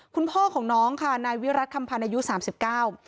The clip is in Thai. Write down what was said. คุณพ่อของน้องค่ะนายวิรัติคำพันธ์อายุสามสิบเก้า